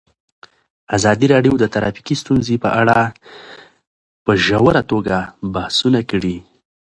ازادي راډیو د ټرافیکي ستونزې په اړه په ژوره توګه بحثونه کړي.